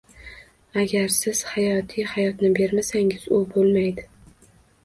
Agar siz hayotiy hayotni bermasangiz, u bo'lmaydi.